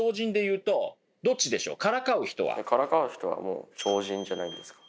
からかう人は超人じゃないんですか？